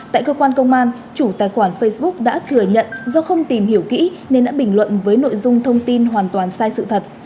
tại cơ quan công an chủ tài khoản facebook đã thừa nhận do không tìm hiểu kỹ nên đã bình luận với nội dung thông tin hoàn toàn sai sự thật